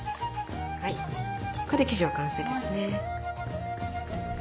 これで生地は完成ですね。